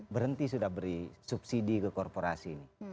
berhenti sudah beri subsidi ke korporasi ini